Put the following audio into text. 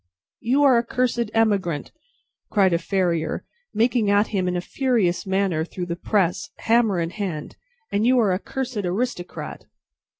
"You are a cursed emigrant," cried a farrier, making at him in a furious manner through the press, hammer in hand; "and you are a cursed aristocrat!"